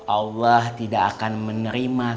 allah tidak akan menerima